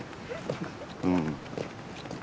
うん。